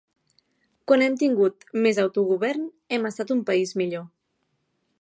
Quan hem tingut més autogovern hem estat un país millor